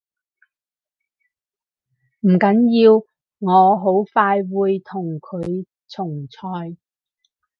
唔緊要，我好快會同佢重賽